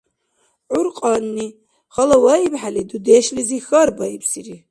ГӀур кьанни, халаваибхӀели, дудешлизи хьарбаибсири.